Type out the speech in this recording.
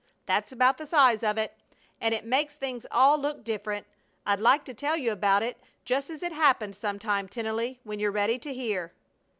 That's about the size of it, and it makes things all look different. I'd like to tell you about it just as it happened some time, Tennelly, when you're ready to hear."